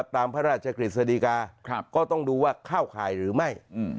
ตามพระราชกฤษฎีกาก็ต้องดูว่าเข้าข่ายหรือไม่